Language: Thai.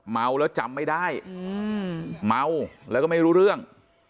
เมาแล้วจำไม่ได้เมาแล้วก็ไม่รู้เรื่อง